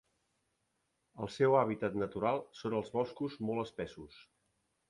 El seu hàbitat natural són els boscos molt espessos.